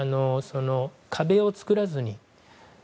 壁を作らずに。